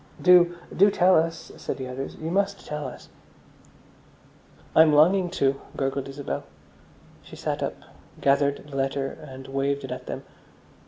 "Do, do tell us," said the others. "You must tell us." "I'm longing to," gurgled Isabel. She sat up, gathered the letter, and waved it at them.